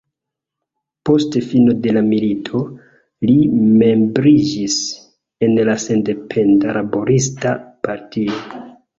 Post fino de la milito, li membriĝis en la Sendependa Laborista Partio.